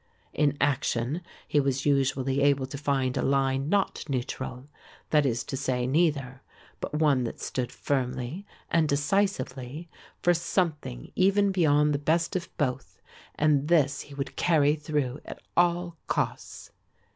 In action he was usually able to find a line not neutral, that is to say neither, but one that stood firmly and decisively for something even beyond the best of both and this he would carry through at all costs.